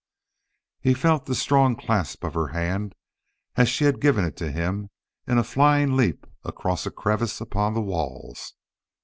He felt the strong clasp of her hand as she had given it to him in a flying leap across a crevice upon the walls.